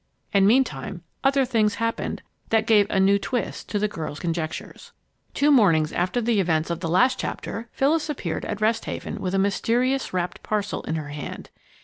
And meantime other things happened that gave a new twist to the girls' conjectures. Two mornings after the events of the last chapter, Phyllis appeared at Rest Haven with a mysterious wrapped parcel in her hand.